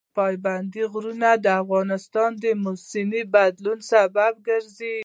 پابندی غرونه د افغانستان د موسم د بدلون سبب کېږي.